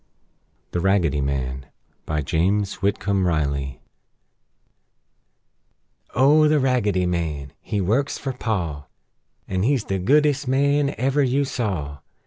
THE RAGGEDY MAN BY JAMES WHITCOMB RILEY O the Raggedy Man! He works fer Pa; An' he's the goodest man ever you saw!